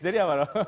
jadi apa dong